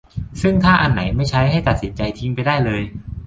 ซึ่งถ้าอันไหนไม่ใช่ให้ตัดสินใจทิ้งไปได้เลย